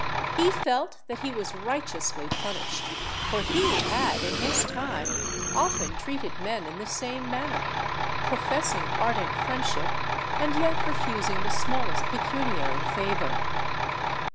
He felt that he was righteously punished—for he had, in his time, often treated men in the same manner,—professing ardent friendship, and yet refusing the smallest pecuniary favour!